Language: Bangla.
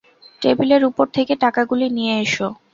টেবিলের ওপর থেকে টাকাগুলি নিয়ে এসো।